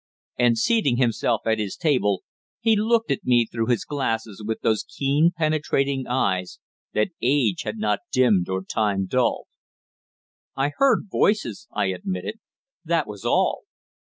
And, seating himself at his table, he looked at me through his glasses with those keen penetrating eyes that age had not dimmed or time dulled. "I heard voices," I admitted, "that was all."